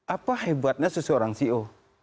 apa hebatnya seseorang ceo